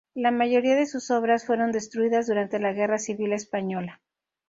La mayoría de sus obras fueron destruidas durante la guerra civil española.